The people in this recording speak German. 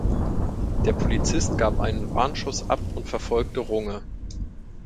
Der Polizist gab einen Warnschuss ab und verfolgte Runge.